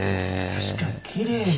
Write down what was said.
確かにきれいもん。